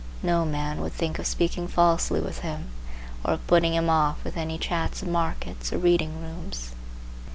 No man would think of speaking falsely with him, or of putting him off with any chat of markets or reading rooms.